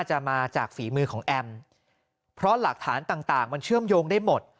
จะมาจากฝีมือของแอมเพราะหลักฐานต่างมันเชื่อมโยงได้หมด